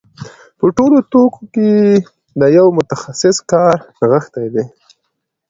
په ټولو توکو کې د یو متخصص کار نغښتی دی